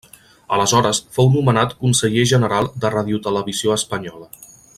Aleshores fou nomenat Conseller General de Radiotelevisió Espanyola.